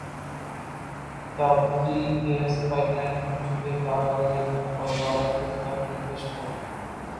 Tapi gas pipeline منصوبے کا اغاز ایک مرتبہ پھر تاخیر کا شکار